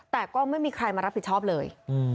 แต่ก็ไม่มีใครมารับผิดชอบเลย